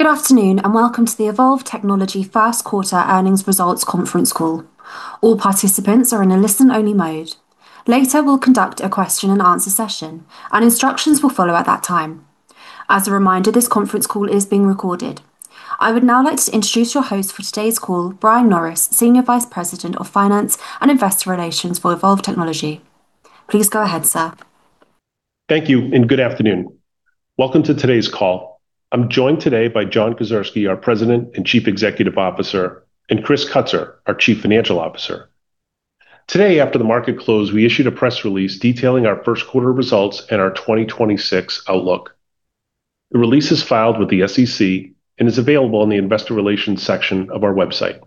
Good afternoon, and welcome to the Evolv Technologies first quarter earnings results conference call. All participants are in a listen-only mode. Later, we'll conduct a question and answer session, and instructions will follow at that time. As a reminder, this conference call is being recorded. I would now like to introduce your host for today's call, Brian Norris, Senior Vice President of Finance and Investor Relations for Evolv Technologies. Please go ahead, sir. Thank you. Good afternoon. Welcome to today's call. I'm joined today by John Kedzierski, our President and Chief Executive Officer, and Chris Kutsor, our Chief Financial Officer. Today, after the market closed, we issued a press release detailing our first quarter results and our 2026 outlook. The release is filed with the SEC and is available on the Investor Relations section of our website.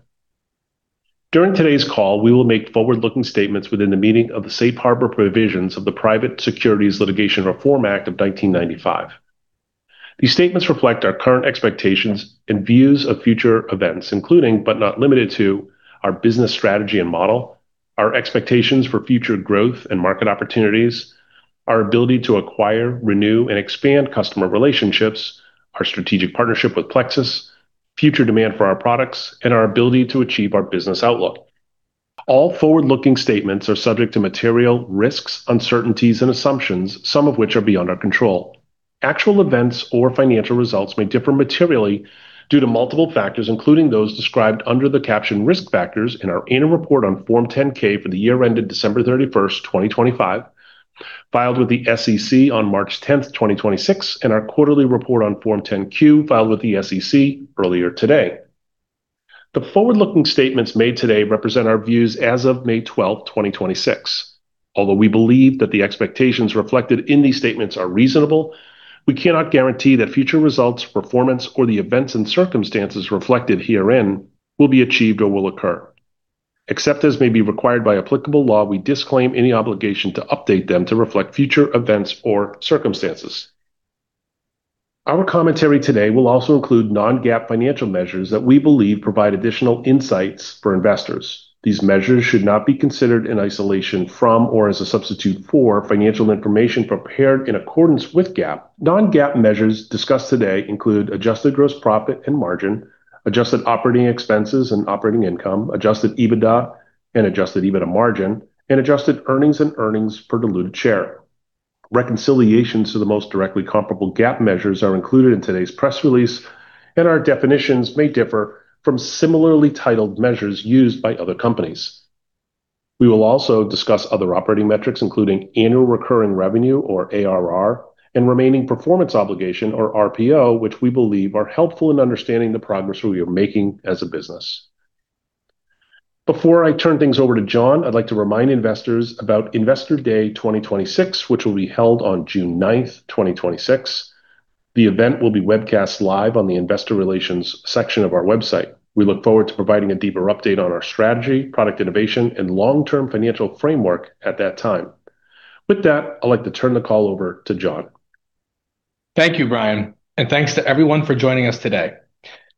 During today's call, we will make forward-looking statements within the meaning of the safe harbor provisions of the Private Securities Litigation Reform Act of 1995. These statements reflect our current expectations and views of future events, including, but not limited to, our business strategy and model, our expectations for future growth and market opportunities, our ability to acquire, renew, and expand customer relationships, our strategic partnership with Plexus, future demand for our products, and our ability to achieve our business outlook. All forward-looking statements are subject to material risks, uncertainties, and assumptions, some of which are beyond our control. Actual events or financial results may differ materially due to multiple factors, including those described under the caption Risk Factors in our annual report on Form 10-K for the year ended December 31st, 2025, filed with the SEC on March 10th, 2026, and our quarterly report on Form 10-Q, filed with the SEC earlier today. The forward-looking statements made today represent our views as of May 12th, 2026. Although we believe that the expectations reflected in these statements are reasonable, we cannot guarantee that future results, performance, or the events and circumstances reflected herein will be achieved or will occur. Except as may be required by applicable law, we disclaim any obligation to update them to reflect future events or circumstances. Our commentary today will also include non-GAAP financial measures that we believe provide additional insights for investors. These measures should not be considered in isolation from or as a substitute for financial information prepared in accordance with GAAP. Non-GAAP measures discussed today include adjusted gross profit and margin, adjusted operating expenses and operating income, Adjusted EBITDA and Adjusted EBITDA margin, and adjusted earnings and earnings per diluted share. Reconciliations to the most directly comparable GAAP measures are included in today's press release, and our definitions may differ from similarly titled measures used by other companies. We will also discuss other operating metrics, including annual recurring revenue or ARR, and remaining performance obligation or RPO, which we believe are helpful in understanding the progress we are making as a business. Before I turn things over to John, I'd like to remind investors about Investor Day 2026, which will be held on June 9th, 2026. The event will be webcast live on the Investor Relations section of our website. We look forward to providing a deeper update on our strategy, product innovation, and long-term financial framework at that time. With that, I'd like to turn the call over to John. Thank you, Brian, and thanks to everyone for joining us today.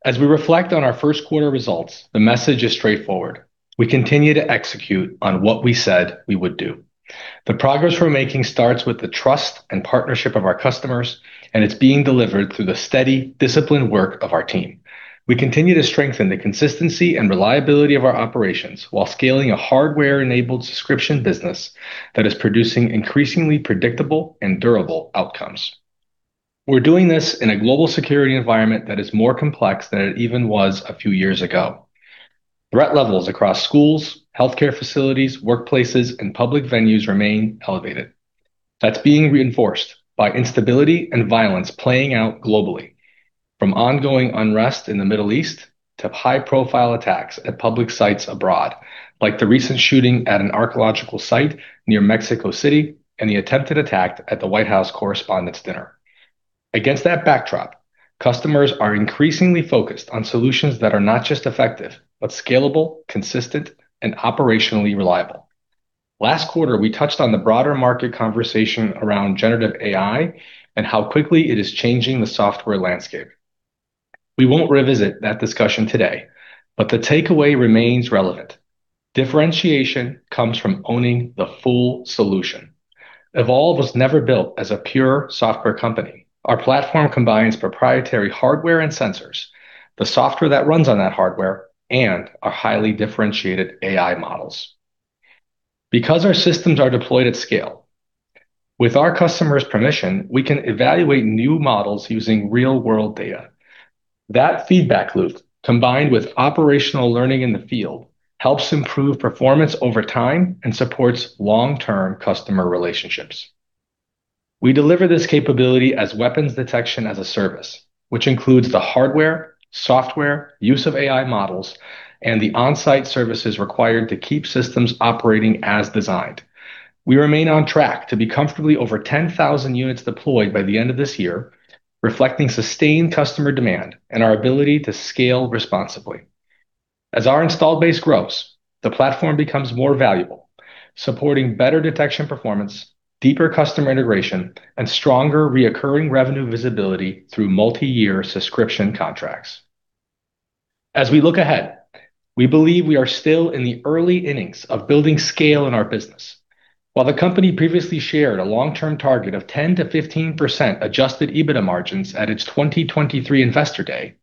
As we reflect on our first quarter results, the message is straightforward: We continue to execute on what we said we would do. The progress we're making starts with the trust and partnership of our customers, and it's being delivered through the steady, disciplined work of our team. We continue to strengthen the consistency and reliability of our operations while scaling a hardware-enabled subscription business that is producing increasingly predictable and durable outcomes. We're doing this in a global security environment that is more complex than it even was a few years ago. Threat levels across schools, healthcare facilities, workplaces, and public venues remain elevated. That's being reinforced by instability and violence playing out globally, from ongoing unrest in the Middle East to high-profile attacks at public sites abroad, like the recent shooting at an archaeological site near Mexico City and the attempted attack at the White House Correspondents' Dinner. Against that backdrop, customers are increasingly focused on solutions that are not just effective, but scalable, consistent, and operationally reliable. Last quarter, we touched on the broader market conversation around generative AI and how quickly it is changing the software landscape. We won't revisit that discussion today. The takeaway remains relevant. Differentiation comes from owning the full solution. Evolv was never built as a pure software company. Our platform combines proprietary hardware and sensors, the software that runs on that hardware, and our highly differentiated AI models. Because our systems are deployed at scale, with our customer's permission, we can evaluate new models using real-world data. That feedback loop, combined with operational learning in the field, helps improve performance over time and supports long-term customer relationships. We deliver this capability as weapons detection as a service, which includes the hardware, software, use of AI models, and the on-site services required to keep systems operating as designed. We remain on track to be comfortably over 10,000 units deployed by the end of this year, reflecting sustained customer demand and our ability to scale responsibly. As our installed base grows, the platform becomes more valuable, supporting better detection performance, deeper customer integration, and stronger reoccurring revenue visibility through multiyear subscription contracts. As we look ahead, we believe we are still in the early innings of building scale in our business. While the company previously shared a long-term target of 10%-15% Adjusted EBITDA margins at its 2023 Investor Day,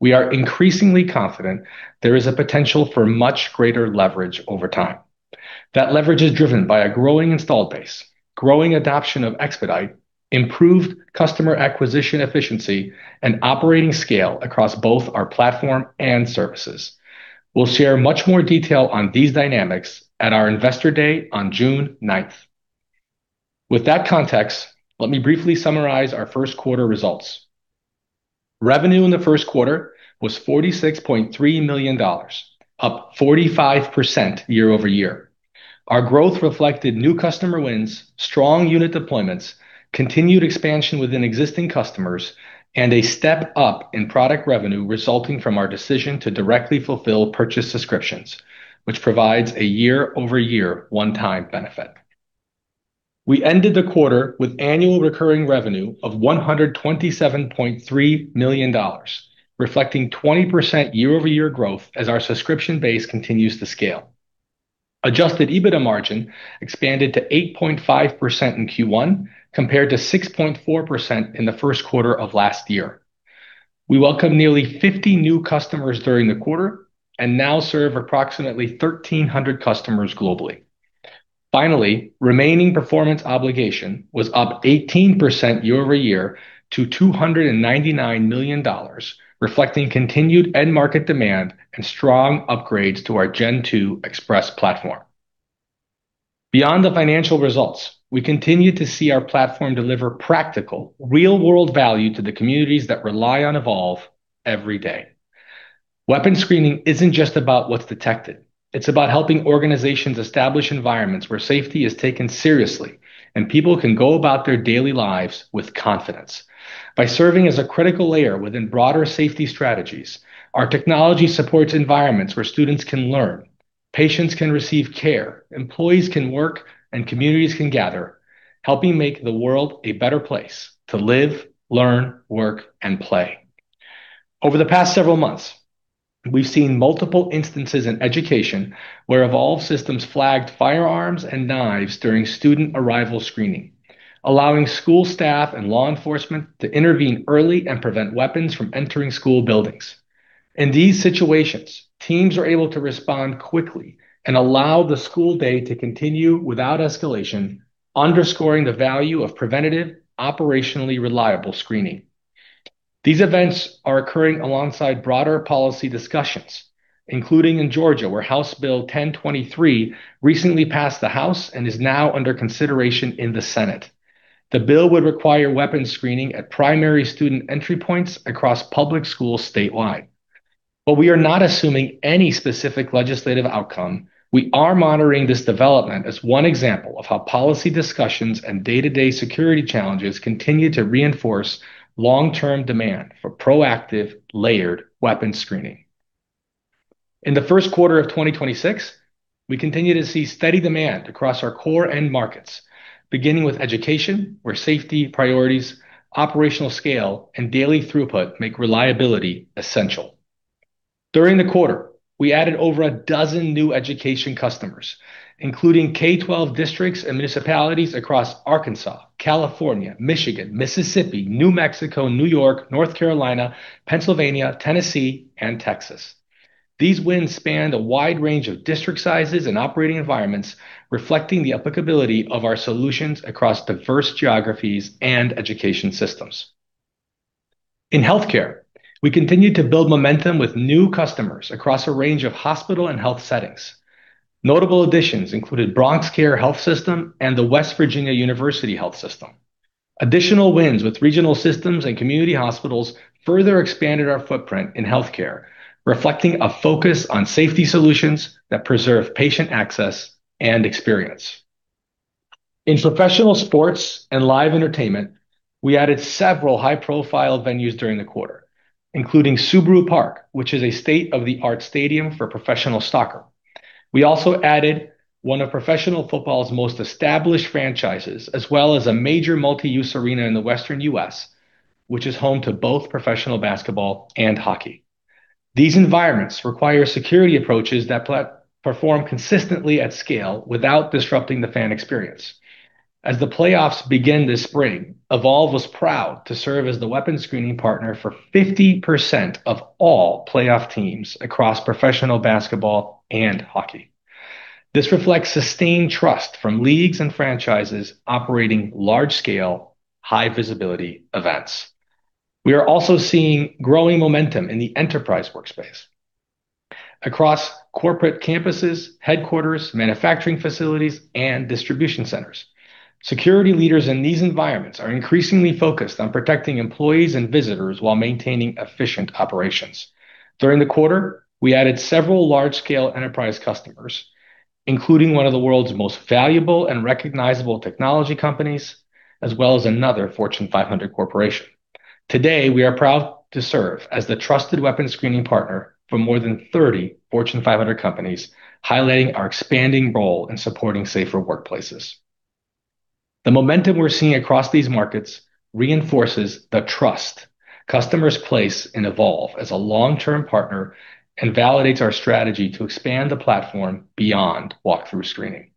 we are increasingly confident there is a potential for much greater leverage over time. That leverage is driven by a growing install base, growing adoption of eXpedite, improved customer acquisition efficiency, and operating scale across both our platform and services. We'll share much more detail on these dynamics at our Investor Day on June 9. With that context, let me briefly summarize our first quarter results. Revenue in the first quarter was $46.3 million, up 45% year-over-year. Our growth reflected new customer wins, strong unit deployments, continued expansion within existing customers, and a step up in product revenue resulting from our decision to directly fulfill purchase subscriptions, which provides a year-over-year one-time benefit. We ended the quarter with annual recurring revenue of $127.3 million, reflecting 20% year-over-year growth as our subscription base continues to scale. Adjusted EBITDA margin expanded to 8.5% in Q1, compared to 6.4% in the first quarter of last year. We welcomed nearly 50 new customers during the quarter and now serve approximately 1,300 customers globally. Finally, remaining performance obligation was up 18% year-over-year to $299 million, reflecting continued end market demand and strong upgrades to our Gen2 Express platform. Beyond the financial results, we continue to see our platform deliver practical, real-world value to the communities that rely on Evolv every day. Weapon screening isn't just about what's detected. It's about helping organizations establish environments where safety is taken seriously, and people can go about their daily lives with confidence. By serving as a critical layer within broader safety strategies, our technology supports environments where students can learn, patients can receive care, employees can work, and communities can gather, helping make the world a better place to live, learn, work, and play. Over the past several months, we've seen multiple instances in education where Evolv systems flagged firearms and knives during student arrival screening, allowing school staff and law enforcement to intervene early and prevent weapons from entering school buildings. In these situations, teams are able to respond quickly and allow the school day to continue without escalation, underscoring the value of preventative, operationally reliable screening. These events are occurring alongside broader policy discussions, including in Georgia, where House Bill 1023 recently passed the House and is now under consideration in the Senate. The bill would require weapon screening at primary student entry points across public schools statewide. While we are not assuming any specific legislative outcome, we are monitoring this development as one example of how policy discussions and day-to-day security challenges continue to reinforce long-term demand for proactive, layered weapon screening. In the first quarter of 2026, we continue to see steady demand across our core end markets, beginning with education, where safety priorities, operational scale, and daily throughput make reliability essential. During the quarter, we added over 12 new education customers, including K-12 districts and municipalities across Arkansas, California, Michigan, Mississippi, New Mexico, New York, North Carolina, Pennsylvania, Tennessee, and Texas. These wins spanned a wide range of district sizes and operating environments, reflecting the applicability of our solutions across diverse geographies and education systems. In healthcare, we continued to build momentum with new customers across a range of hospital and health settings. Notable additions included BronxCare Health System and the West Virginia University Health System. Additional wins with regional systems and community hospitals further expanded our footprint in healthcare, reflecting a focus on safety solutions that preserve patient access and experience. In professional sports and live entertainment, we added several high-profile venues during the quarter, including Subaru Park, which is a state-of-the-art stadium for professional soccer. We also added one of professional football's most established franchises, as well as a major multi-use arena in the Western U.S., which is home to both professional basketball and hockey. These environments require security approaches that perform consistently at scale without disrupting the fan experience. As the playoffs begin this spring, Evolv was proud to serve as the weapon screening partner for 50% of all playoff teams across professional basketball and hockey. This reflects sustained trust from leagues and franchises operating large scale, high visibility events. We are also seeing growing momentum in the enterprise workspace. Across corporate campuses, headquarters, manufacturing facilities, and distribution centers. Security leaders in these environments are increasingly focused on protecting employees and visitors while maintaining efficient operations. During the quarter, we added several large-scale enterprise customers, including one of the world's most valuable and recognizable technology companies, as well as another Fortune 500 corporation. Today, we are proud to serve as the trusted weapon screening partner for more than 30 Fortune 500 companies, highlighting our expanding role in supporting safer workplaces. The momentum we're seeing across these markets reinforces the trust customers place in Evolv as a long-term partner and validates our strategy to expand the platform beyond walk-through screening.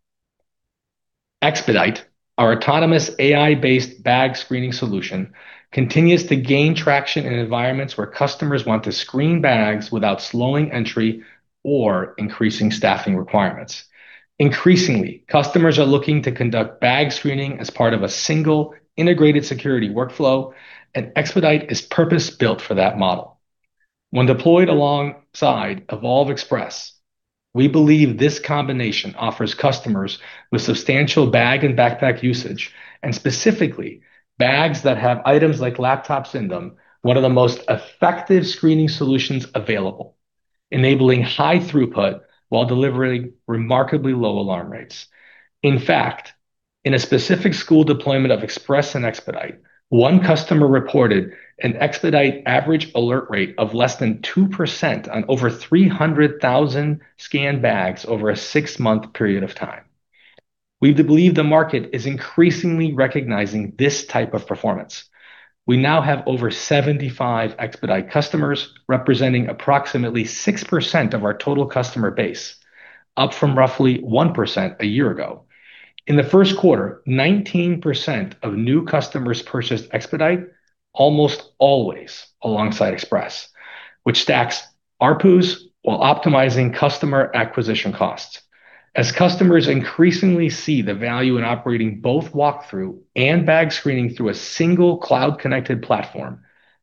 eXpedite, our autonomous AI-based bag screening solution, continues to gain traction in environments where customers want to screen bags without slowing entry or increasing staffing requirements. Increasingly, customers are looking to conduct bag screening as part of a single integrated security workflow, and eXpedite is purpose-built for that model. When deployed alongside Evolv Express, we believe this combination offers customers with substantial bag and backpack usage, and specifically bags that have items like laptops in them, one of the most effective screening solutions available, enabling high throughput while delivering remarkably low alarm rates. In fact, in a specific school deployment of Express and eXpedite, one customer reported an eXpedite average alert rate of less than 2% on over 300,000 scanned bags over a six-month period of time. We believe the market is increasingly recognizing this type of performance. We now have over 75 eXpedite customers representing approximately 6% of our total customer base, up from roughly 1% a year ago. In the first quarter, 19% of new customers purchased eXpedite almost always alongside Express, which stacks ARPUs while optimizing customer acquisition costs. As customers increasingly see the value in operating both walk-through and bag screening through a single cloud-connected platform,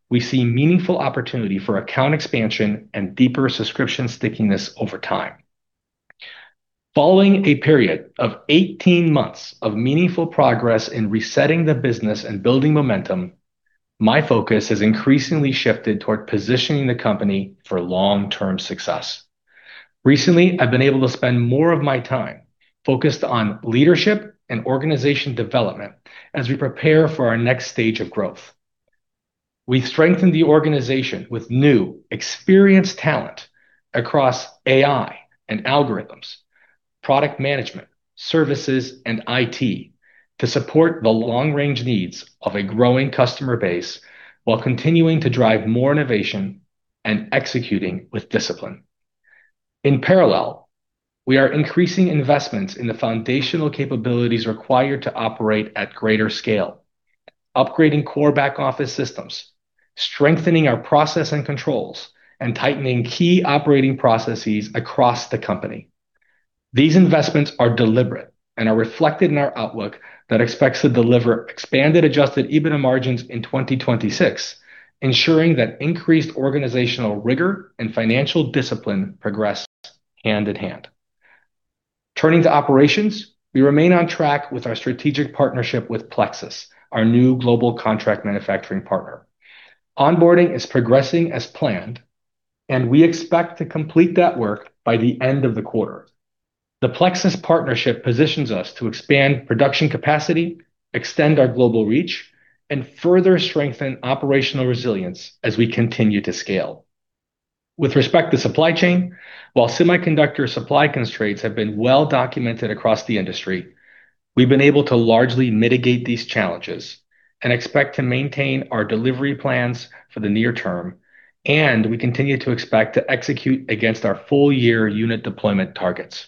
we see meaningful opportunity for account expansion and deeper subscription stickiness over time. Following a period of 18 months of meaningful progress in resetting the business and building momentum, my focus has increasingly shifted toward positioning the company for long-term success. Recently, I've been able to spend more of my time focused on leadership and organization development as we prepare for our next stage of growth. We strengthened the organization with new experienced talent across AI and algorithms, product management, services, and IT to support the long-range needs of a growing customer base while continuing to drive more innovation and executing with discipline. We are increasing investments in the foundational capabilities required to operate at greater scale, upgrading core back-office systems, strengthening our process and controls, and tightening key operating processes across the company. These investments are deliberate and are reflected in our outlook that expects to deliver expanded Adjusted EBITDA margins in 2026, ensuring that increased organizational rigor and financial discipline progress hand in hand. Turning to operations, we remain on track with our strategic partnership with Plexus, our new global contract manufacturing partner. Onboarding is progressing as planned, and we expect to complete that work by the end of the quarter. The Plexus partnership positions us to expand production capacity, extend our global reach, and further strengthen operational resilience as we continue to scale. With respect to supply chain, while semiconductor supply constraints have been well documented across the industry, we've been able to largely mitigate these challenges and expect to maintain our delivery plans for the near term, and we continue to expect to execute against our full-year unit deployment targets.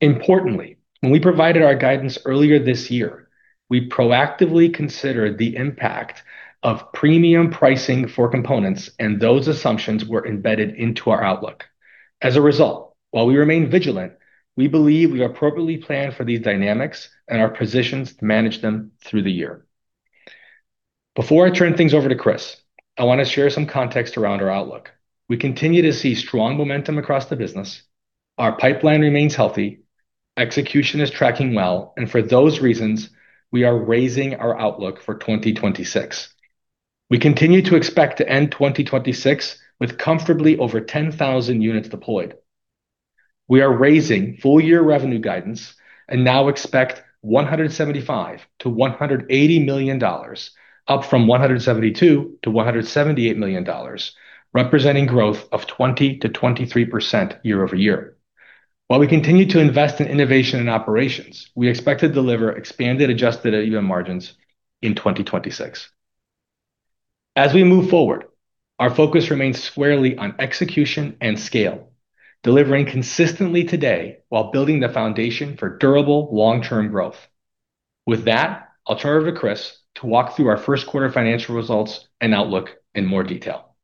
Importantly, when we provided our guidance earlier this year, we proactively considered the impact of premium pricing for components, and those assumptions were embedded into our outlook. As a result, while we remain vigilant, we believe we appropriately plan for these dynamics and our positions to manage them through the year. Before I turn things over to Chris, I want to share some context around our outlook. We continue to see strong momentum across the business. Our pipeline remains healthy. Execution is tracking well, and for those reasons, we are raising our outlook for 2026. We continue to expect to end 2026 with comfortably over 10,000 units deployed. We are raising full-year revenue guidance and now expect $175 million-$180 million, up from $172 million-$178 million, representing growth of 20%-23% year-over-year. While we continue to invest in innovation and operations, we expect to deliver expanded, Adjusted EBITDA margins in 2026. As we move forward, our focus remains squarely on execution and scale, delivering consistently today while building the foundation for durable long-term growth. With that, I'll turn it over to Chris to walk through our first quarter financial results and outlook in more detail.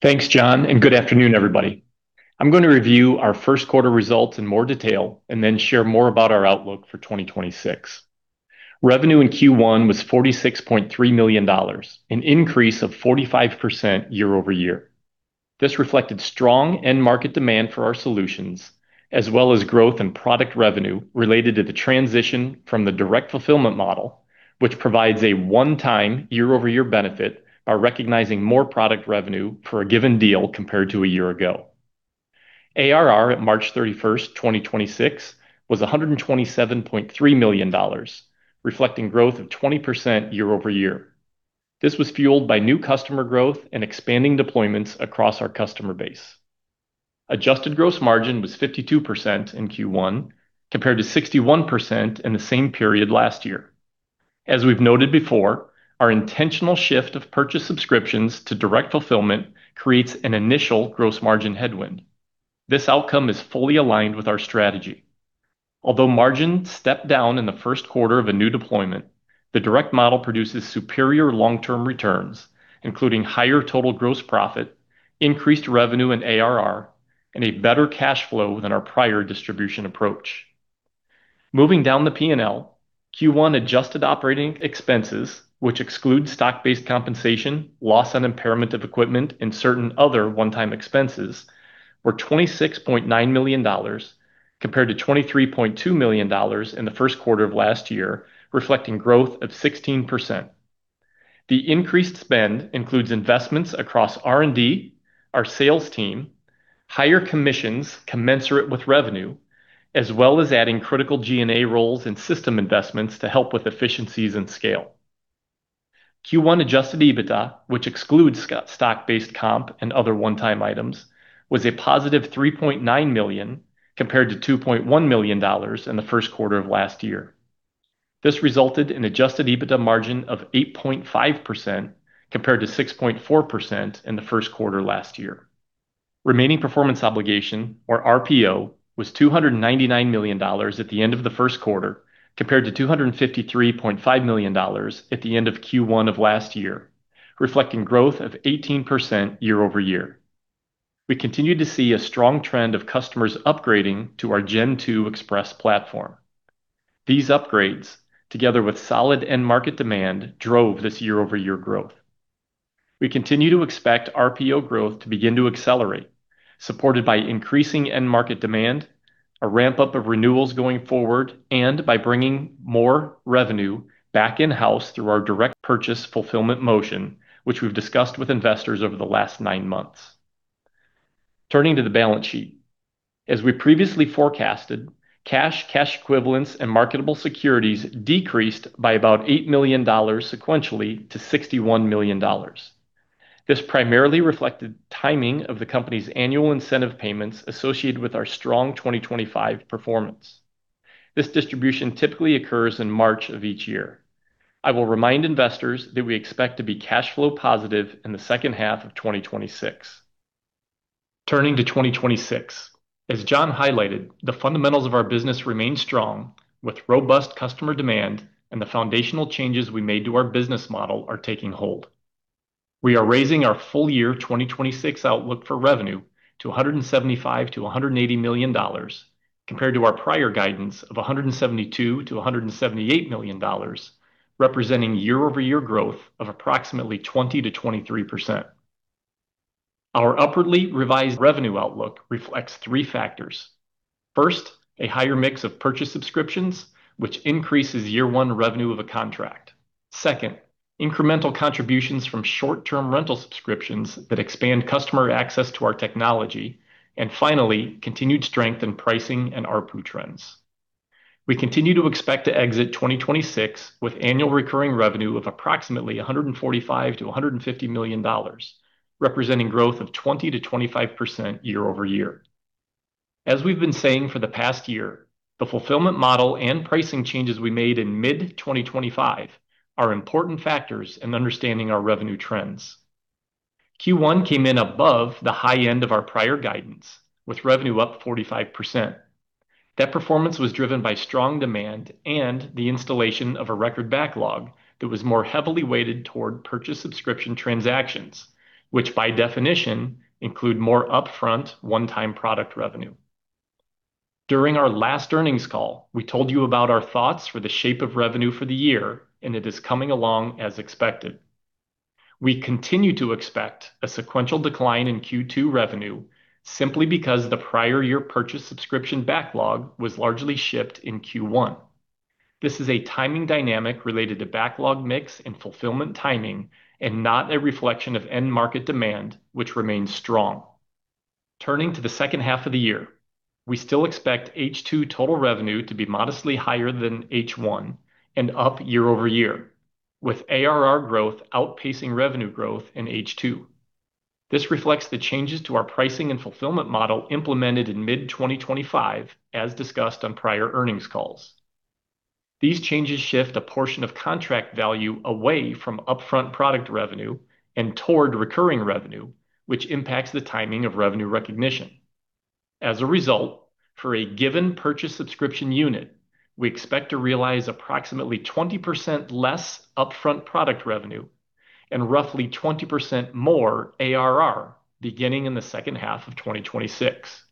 Thanks, John, and good afternoon, everybody. I'm going to review our first quarter results in more detail and then share more about our outlook for 2026. Revenue in Q1 was $46.3 million, an increase of 45% year-over-year. This reflected strong end-market demand for our solutions as well as growth in product revenue related to the transition from the direct fulfillment model, which provides a one-time year-over-year benefit by recognizing more product revenue for a given deal compared to a year ago. ARR at March 31st, 2026 was $127.3 million, reflecting growth of 20% year-over-year. This was fueled by new customer growth and expanding deployments across our customer base. Adjusted gross margin was 52% in Q1, compared to 61% in the same period last year. As we've noted before, our intentional shift of purchase subscriptions to direct fulfillment creates an initial gross margin headwind. This outcome is fully aligned with our strategy. Margin stepped down in the first quarter of a new deployment, the direct model produces superior long-term returns, including higher total gross profit, increased revenue and ARR, and a better cash flow than our prior distribution approach. Moving down the P&L, Q1 adjusted operating expenses, which excludes stock-based compensation, loss on impairment of equipment and certain other one-time expenses, were $26.9 million, compared to $23.2 million in the first quarter of last year, reflecting growth of 16%. The increased spend includes investments across R&D, our sales team, higher commissions commensurate with revenue, as well as adding critical G&A roles and system investments to help with efficiencies and scale. Q1 Adjusted EBITDA, which excludes stock-based comp and other one-time items, was a positive $3.9 million, compared to $2.1 million in the first quarter of last year. This resulted in Adjusted EBITDA margin of 8.5% compared to 6.4% in the first quarter last year. Remaining performance obligation, or RPO, was $299 million at the end of the first quarter compared to $253.5 million at the end of Q1 of last year, reflecting growth of 18% year-over-year. We continued to see a strong trend of customers upgrading to our Gen2 Express platform. These upgrades, together with solid end market demand, drove this year-over-year growth. We continue to expect RPO growth to begin to accelerate, supported by increasing end market demand, a ramp-up of renewals going forward, and by bringing more revenue back in-house through our direct purchase fulfillment motion, which we've discussed with investors over the last nine months. Turning to the balance sheet. As we previously forecasted, cash equivalents, and marketable securities decreased by about $8 million sequentially to $61 million. This primarily reflected timing of the company's annual incentive payments associated with our strong 2025 performance. This distribution typically occurs in March of each year. I will remind investors that we expect to be cash flow positive in the second half of 2026. Turning to 2026. As John highlighted, the fundamentals of our business remain strong with robust customer demand and the foundational changes we made to our business model are taking hold. We are raising our full year 2026 outlook for revenue to $175 million-$180 million, compared to our prior guidance of $172 million-$178 million, representing year-over-year growth of approximately 20%-23%. Our upwardly revised revenue outlook reflects three factors. First, a higher mix of purchase subscriptions, which increases year one revenue of a contract. Second, incremental contributions from short-term rental subscriptions that expand customer access to our technology. Finally, continued strength in pricing and ARPU trends. We continue to expect to exit 2026 with annual recurring revenue of approximately $145 million-$150 million, representing growth of 20%-25% year over year. As we've been saying for the past year, the fulfillment model and pricing changes we made in mid-2025 are important factors in understanding our revenue trends. Q1 came in above the high end of our prior guidance, with revenue up 45%. That performance was driven by strong demand and the installation of a record backlog that was more heavily weighted toward purchase subscription transactions, which by definition include more upfront one-time product revenue. During our last earnings call, we told you about our thoughts for the shape of revenue for the year, and it is coming along as expected. We continue to expect a sequential decline in Q2 revenue simply because the prior year purchase subscription backlog was largely shipped in Q1. This is a timing dynamic related to backlog mix and fulfillment timing and not a reflection of end market demand, which remains strong. Turning to the second half of the year. We still expect H2 total revenue to be modestly higher than H1 and up year-over-year, with ARR growth outpacing revenue growth in H2. This reflects the changes to our pricing and fulfillment model implemented in mid-2025, as discussed on prior earnings calls. These changes shift a portion of contract value away from upfront product revenue and toward recurring revenue, which impacts the timing of revenue recognition. As a result, for a given purchase subscription unit, we expect to realize approximately 20% less upfront product revenue and roughly 20% more ARR beginning in the second half of 2026.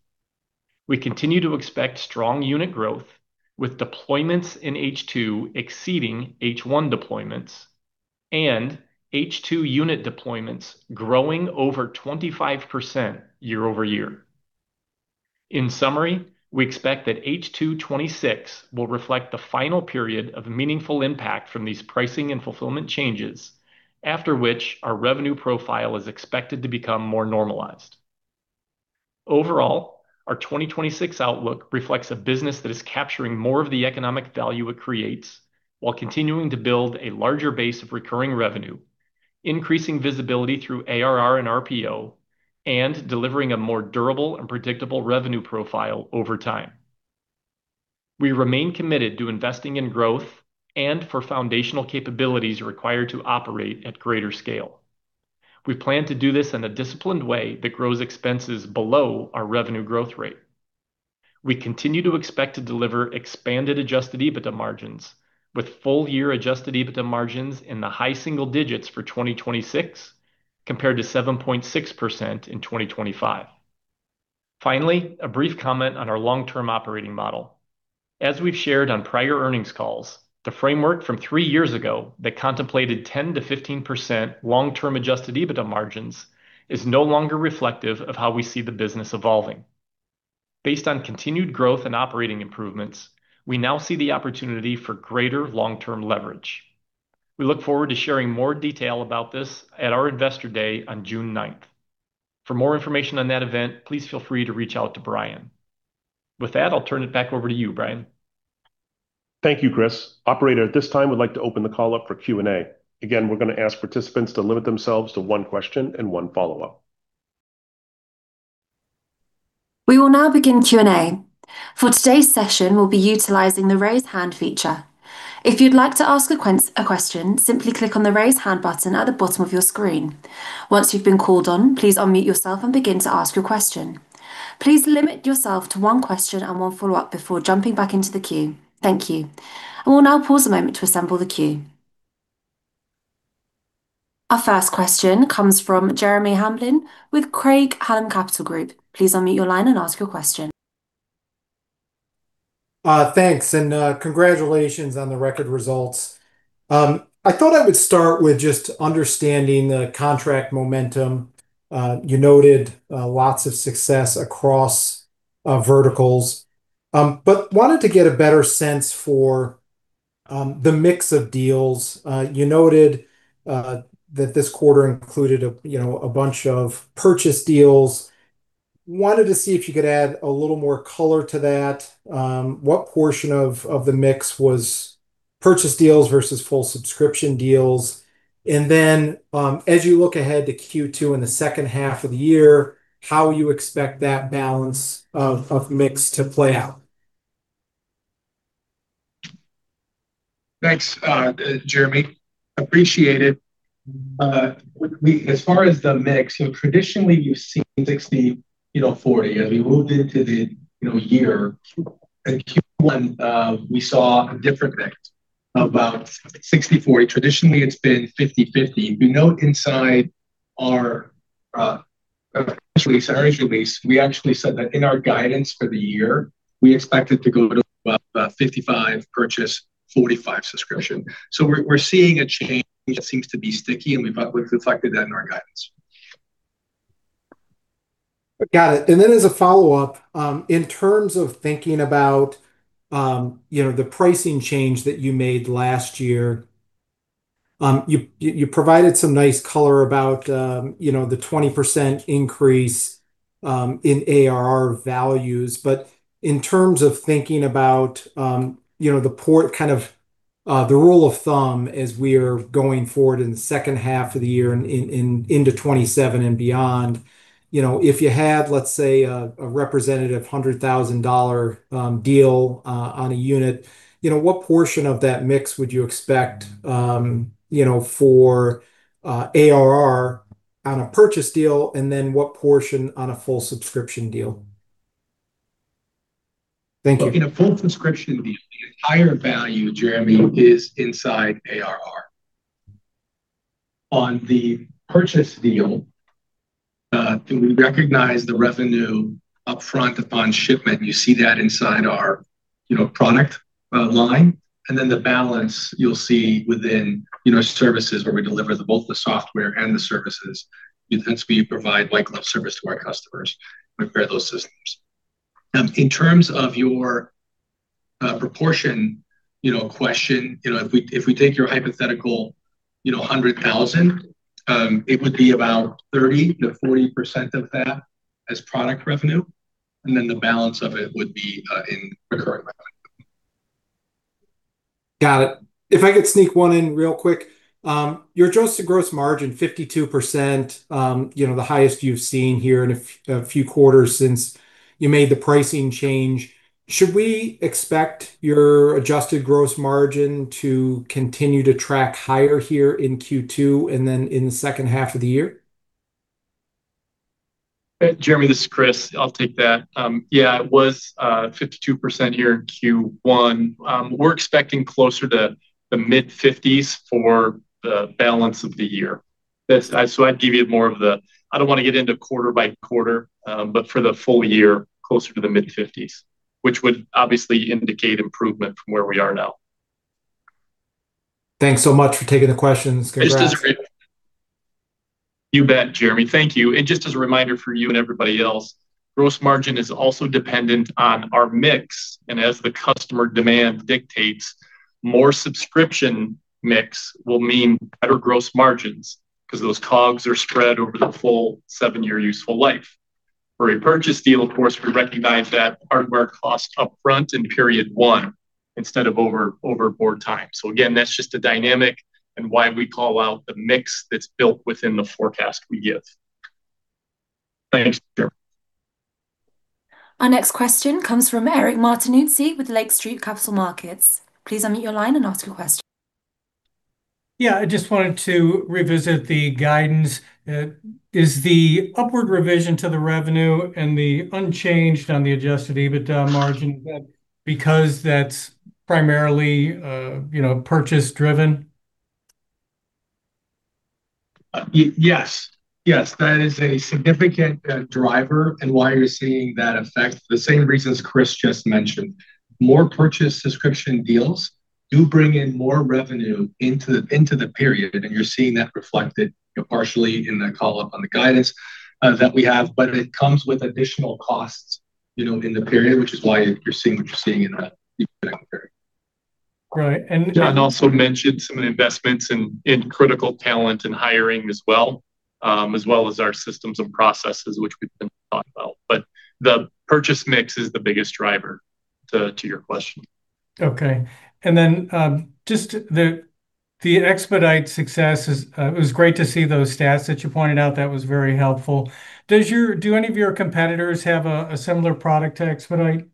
We continue to expect strong unit growth with deployments in H2 exceeding H1 deployments and H2 unit deployments growing over 25% year-over-year. In summary, we expect that H2 2026 will reflect the final period of meaningful impact from these pricing and fulfillment changes, after which our revenue profile is expected to become more normalized. Our 2026 outlook reflects a business that is capturing more of the economic value it creates while continuing to build a larger base of recurring revenue, increasing visibility through ARR and RPO, and delivering a more durable and predictable revenue profile over time. We remain committed to investing in growth and for foundational capabilities required to operate at greater scale. We plan to do this in a disciplined way that grows expenses below our revenue growth rate. We continue to expect to deliver expanded Adjusted EBITDA margins, with full year Adjusted EBITDA margins in the high single digits for 2026, compared to 7.6% in 2025. Finally, a brief comment on our long-term operating model. As we've shared on prior earnings calls, the framework from three years ago that contemplated 10%-15% long-term Adjusted EBITDA margins is no longer reflective of how we see the business evolving. Based on continued growth and operating improvements, we now see the opportunity for greater long-term leverage. We look forward to sharing more detail about this at our Investor Day on June ninth. For more information on that event, please feel free to reach out to Brian. With that, I'll turn it back over to you, Brian. Thank you, Chris. Operator, at this time we'd like to open the call up for Q&A. We're going to ask participants to limit themselves to one question and one follow-up. We will now begin Q&A. For today's session, we'll be utilizing the Raise Hand feature. If you'd like to ask a question, simply click on the Raise Hand button at the bottom of your screen. Once you've been called on, please unmute yourself and begin to ask your question. Please limit yourself to one question and one follow-up before jumping back into the queue. Thank you. I will now pause a moment to assemble the queue. Our first question comes from Jeremy Hamblin with Craig-Hallum Capital Group. Please unmute your line and ask your question. Thanks, and congratulations on the record results. I thought I would start with just understanding the contract momentum. You noted lots of success across verticals. Wanted to get a better sense for the mix of deals. You noted that this quarter included a, you know, a bunch of purchase deals. Wanted to see if you could add a little more color to that. What portion of the mix was purchase deals versus full subscription deals? As you look ahead to Q2 in the second half of the year, how you expect that balance of mix to play out? Thanks, Jeremy. Appreciate it. As far as the mix, traditionally you've seen 60, you know, 40. As we moved into the, you know, year, in Q1, we saw a different mix, about 60/40. Traditionally, it's been 50/50. You note inside our earnings release, we actually said that in our guidance for the year, we expect it to go to about 55 purchase, 45 subscription. We're seeing a change that seems to be sticky, and we've reflected that in our guidance. Got it. As a follow-up, in terms of thinking about, you know, the pricing change that you made last year, you provided some nice color about, you know, the 20% increase in ARR values. In terms of thinking about, you know, the kind of rule of thumb as we are going forward in the second half of the year and into 2027 and beyond, you know, if you have, let's say, a representative $100,000 deal on a unit, you know, what portion of that mix would you expect, you know, for ARR on a purchase deal, and then what portion on a full subscription deal? Thank you. Look, in a full subscription deal, the entire value, Jeremy, is inside ARR. On the purchase deal, we recognize the revenue upfront upon shipment, and you see that inside our, you know, product line. Then the balance you'll see within, you know, services where we deliver the, both the software and the services. Since we provide white glove service to our customers when we pair those systems. In terms of your proportion, you know, question, you know, if we, if we take your hypothetical, you know, $100,000, it would be about 30%-40% of that as product revenue, and then the balance of it would be in recurring revenue. Got it. If I could sneak one in real quick. Your adjusted gross margin, 52%, you know, the highest you've seen here in a few quarters since you made the pricing change. Should we expect your adjusted gross margin to continue to track higher here in Q2 and then in the second half of the year? Jeremy, this is Chris. I'll take that. Yeah, it was 52% here in Q1. We're expecting closer to the mid-fifties for the balance of the year. I don't wanna get into quarter by quarter, but for the full year, closer to the mid-fifties, which would obviously indicate improvement from where we are now. Thanks so much for taking the questions. Congrats. Just as a reminder. You bet, Jeremy. Thank you. Just as a reminder for you and everybody else, gross margin is also dependent on our mix. As the customer demand dictates, more subscription mix will mean better gross margins, 'cause those COGS are spread over the full seven-year useful life. For a purchase deal, of course, we recognize that hardware cost upfront in period one instead of over board time. Again, that's just a dynamic and why we call out the mix that's built within the forecast we give. Thanks, John. Our next question comes from Eric Martinuzzi with Lake Street Capital Markets. Please unmute your line and ask your question. Yeah. I just wanted to revisit the guidance. Is the upward revision to the revenue and the unchanged on the Adjusted EBITDA margin, is that because that's primarily, you know, purchase driven? Yes. Yes, that is a significant driver and why you're seeing that effect. The same reasons Chris just mentioned. More purchase subscription deals do bring in more revenue into the period, and you're seeing that reflected, you know, partially in the call upon the guidance that we have. It comes with additional costs, you know, in the period, which is why you're seeing what you're seeing in that period. Right. John also mentioned some of the investments in critical talent and hiring as well, as well as our systems and processes, which we can talk about. The purchase mix is the biggest driver to your question. Okay. Then, just the eXpedite success, it was great to see those stats that you pointed out. That was very helpful. Do any of your competitors have a similar product to eXpedite?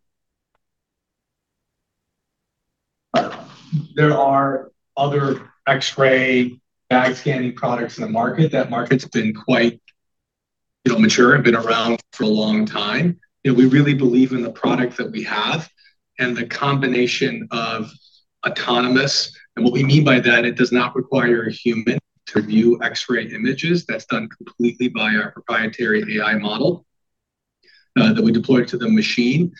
There are other X-ray bag scanning products in the market. That market's been quite, you know, mature and been around for a long time. You know, we really believe in the product that we have and the combination of autonomous. What we mean by that, it does not require a human to view X-ray images. That's done completely by our proprietary AI model that we deploy to the machine.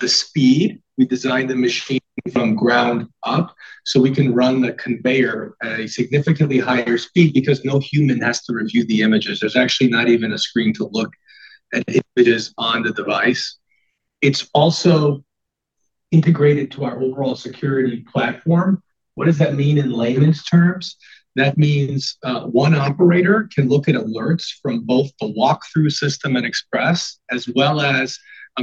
The speed, we designed the machine from ground up, so we can run the conveyor at a significantly higher speed because no human has to review the images. There's actually not even a screen to look at images on the device. It's also integrated to our overall security platform. What does that mean in layman's terms? That means one operator can look at alerts from both the walk-through system and Express, as well as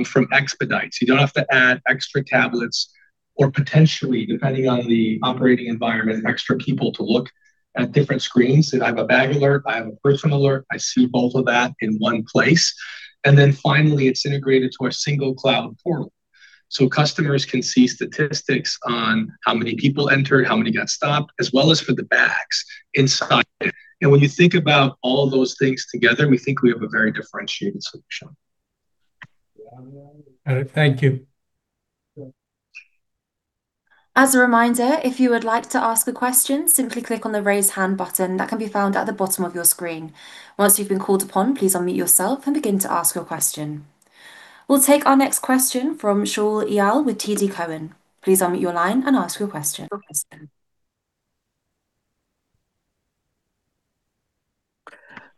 from eXpedite. You don't have to add extra tablets or potentially, depending on the operating environment, extra people to look at different screens. If I have a bag alert, I have a person alert, I see both of that in one place. Finally, it's integrated to our single cloud portal. Customers can see statistics on how many people entered, how many got stopped, as well as for the bags inside it. When you think about all those things together, we think we have a very differentiated solution. All right. Thank you. As a reminder if you would like to ask a question, simply click on the Raise Hand button that can be found at the bottom of your screen. Once you've been called on, please unmute yourself and begin to ask your question. We'll take our next question from Shaul Eyal with TD Cowen. Please unmute your line and ask your question.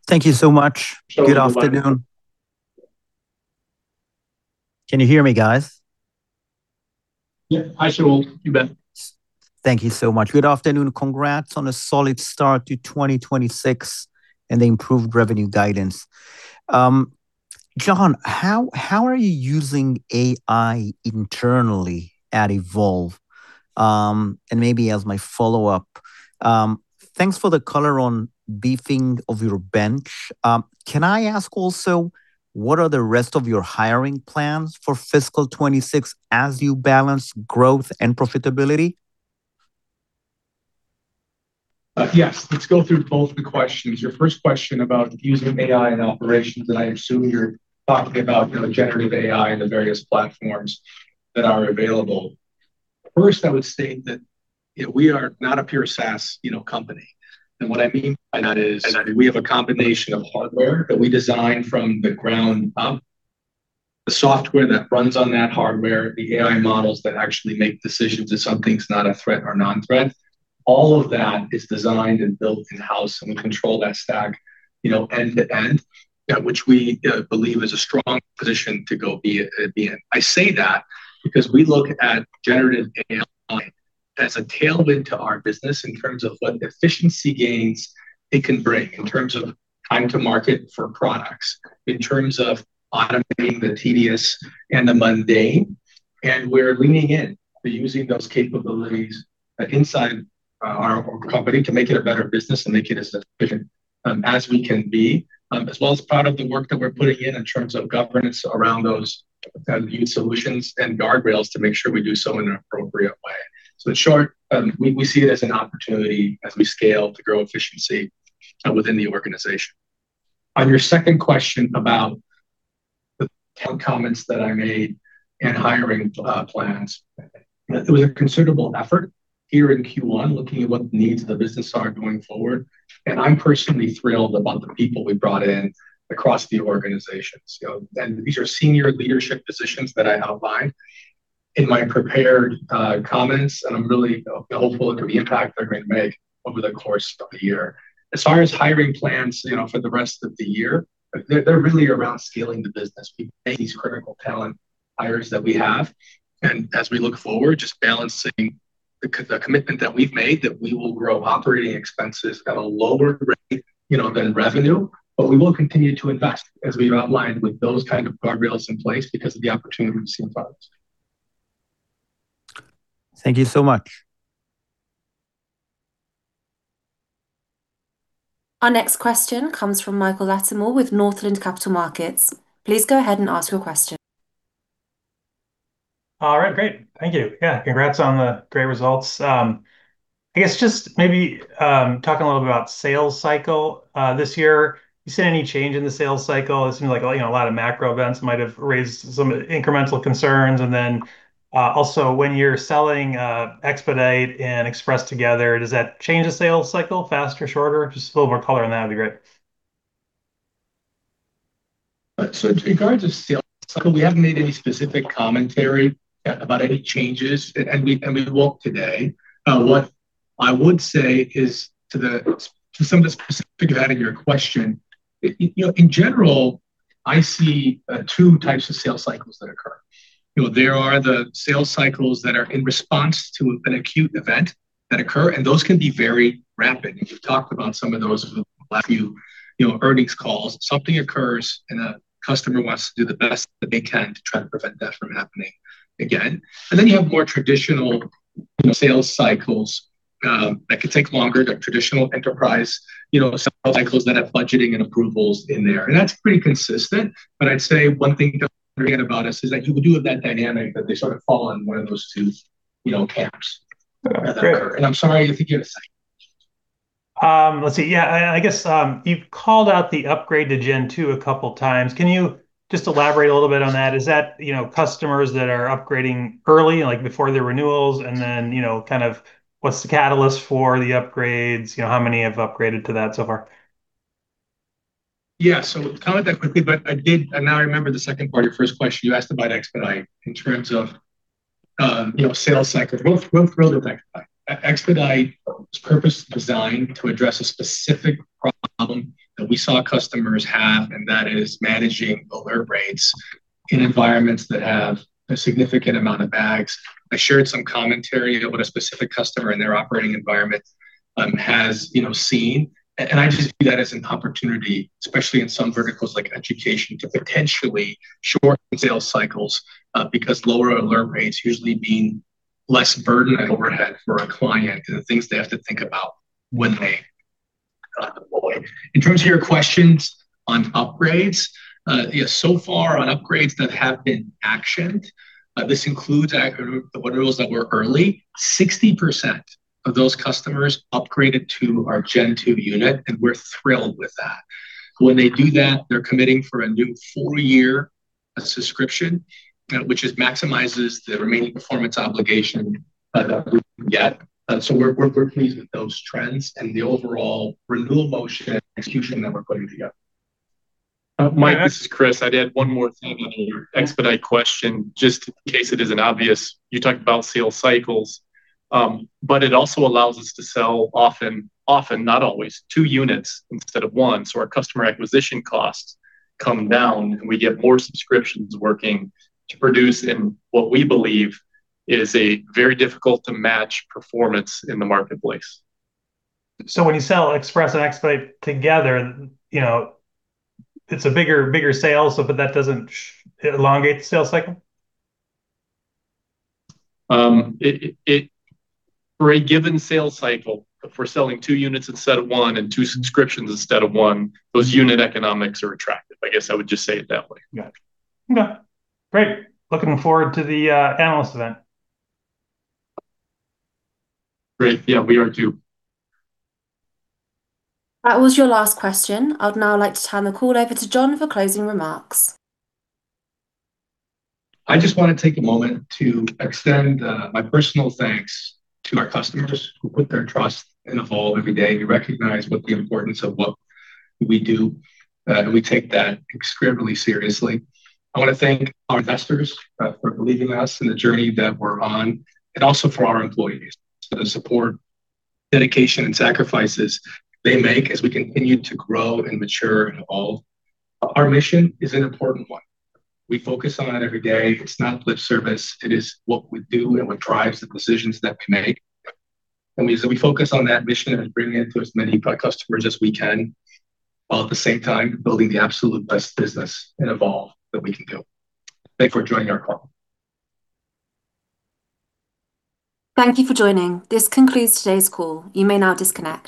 Thank you so much. Good afternoon. Can you hear me, guys? Yeah. Hi, Shaul. You bet. Thank you so much. Good afternoon. Congrats on a solid start to 2026 and the improved revenue guidance. John, how are you using AI internally at Evolv? Maybe as my follow-up, thanks for the color on beefing of your bench. Can I ask also, what are the rest of your hiring plans for fiscal 2026 as you balance growth and profitability? Yes. Let's go through both the questions. Your first question about using AI in operations. I assume you're talking about, you know, generative AI and the various platforms that are available. First, I would state that, you know, we are not a pure SaaS, you know, company. What I mean by that is we have a combination of hardware that we design from the ground up, the software that runs on that hardware, the AI models that actually make decisions if something's not a threat or non-threat. All of that is designed and built in-house, and we control that stack, you know, end to end, which we believe is a strong position to go be in. I say that because we look at generative AI as a tailwind to our business in terms of what efficiency gains it can bring in terms of time to market for products, in terms of automating the tedious and the mundane, and we're leaning in to using those capabilities inside our company to make it a better business and make it as efficient as we can be. As well as part of the work that we're putting in in terms of governance around those kind of new solutions and guardrails to make sure we do so in an appropriate way. In short, we see it as an opportunity as we scale to grow efficiency within the organization. On your second question about the comments that I made in hiring plans, it was a considerable effort here in Q1, looking at what needs the business are going forward, and I'm personally thrilled about the people we brought in across the organizations. You know, these are senior leadership positions that I outlined in my prepared comments, and I'm really hopeful for the impact they're going to make over the course of the year. As far as hiring plans, you know, for the rest of the year, they're really around scaling the business. We make these critical talent hires that we have, and as we look forward, just balancing the commitment that we've made that we will grow operating expenses at a lower rate, you know, than revenue, but we will continue to invest, as we've outlined, with those kind of guardrails in place because of the opportunity we see in front of us. Thank you so much. Our next question comes from Michael Latimore with Northland Capital Markets. Please go ahead and ask your question. All right, great. Thank you. Yeah, congrats on the great results. I guess just maybe talking a little bit about sales cycle this year. You seen any change in the sales cycle? It seems like you know, a lot of macro events might have raised some incremental concerns. Also when you're selling eXpedite and Express together, does that change the sales cycle faster, shorter? Just a little more color on that would be great. In regards to sales cycle, we haven't made any specific commentary about any changes, and we won't today. What I would say is to the, to some of the specific of that in your question, you know, in general, I see two types of sales cycles that occur. You know, there are the sales cycles that are in response to an acute event that occur, and those can be very rapid. We've talked about some of those over the last few, you know, earnings calls. Something occurs, and a customer wants to do the best that they can to try to prevent that from happening again. You have more traditional, you know, sales cycles that could take longer, the traditional enterprise, you know, sales cycles that have budgeting and approvals in there, and that's pretty consistent. I'd say one thing to remember about us is that you will do with that dynamic, that they sort of fall in one of those two, you know, camps that occur. Great. I'm sorry if you had a second question. Let's see. Yeah, I guess, you've called out the upgrade to Gen2 a couple times. Can you just elaborate a little bit on that? Is that, you know, customers that are upgrading early, like before their renewals and then, you know, kind of what's the catalyst for the upgrades? You know, how many have upgraded to that so far? I'll comment that quickly, but I now remember the second part of your first question. You asked about eXpedite in terms of, you know, sales cycle. We're thrilled with eXpedite. eXpedite was purpose designed to address a specific problem that we saw customers have, and that is managing alert rates in environments that have a significant amount of bags. I shared some commentary about a specific customer and their operating environment, has, you know, seen, I just view that as an opportunity, especially in some verticals like education, to potentially shorten sales cycles, because lower alert rates usually mean less burden and overhead for a client and the things they have to think about when they deploy. In terms of your questions on upgrades, so far on upgrades that have been actioned, this includes the renewals that were early, 60% of those customers upgraded to our Gen2 unit, and we're thrilled with that. When they do that, they're committing for a new four-year subscription, which maximizes the remaining performance obligation that we get. We're pleased with those trends and the overall renewal motion and execution that we're putting together. Mike, this is Chris. I'd add one more thing on your eXpedite question, just in case it isn't obvious. You talked about sales cycles. It also allows us to sell often, not always, two units instead of one. Our customer acquisition costs come down, and we get more subscriptions working to produce in what we believe is a very difficult-to-match performance in the marketplace. When you sell Express and eXpedite together, you know, it's a bigger sale, so but that doesn't elongate the sales cycle? It, for a given sales cycle, if we're selling two units instead of one and two subscriptions instead of one, those unit economics are attractive. I guess I would just say it that way. Gotcha. Okay, great. Looking forward to the analyst event. Great. Yeah, we are too. That was your last question. I'd now like to turn the call over to John for closing remarks. I just wanna take a moment to extend my personal thanks to our customers who put their trust in Evolv every day. We recognize what the importance of what we do, and we take that extremely seriously. I wanna thank our investors for believing in us and the journey that we're on, and also for our employees for the support, dedication, and sacrifices they make as we continue to grow and mature and evolve. Our mission is an important one. We focus on it every day. It's not lip service. It is what we do and what drives the decisions that we make. We focus on that mission and bringing it to as many customers as we can, while at the same time building the absolute best business in Evolv that we can do. Thank you for joining our call. Thank you for joining. This concludes today's call. You may now disconnect.